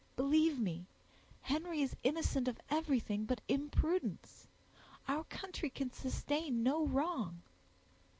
Believe me, Henry is innocent of everything but imprudence. Our country can sustain no wrong."